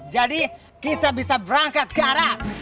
jadi kita bisa berangkat ke arab